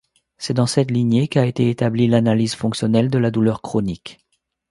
C’est dans cette lignée qu’a été établie l’analyse fonctionnelle de la douleur chronique.